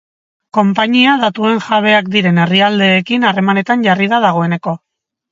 Konpainia datuen jabeak diren herrialdeekin harremanetan jarri da dagoeneko.